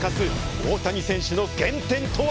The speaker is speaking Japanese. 大谷選手の原点とは？